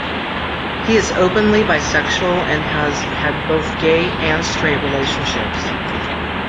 He is openly bisexual and has had both gay and straight relationships.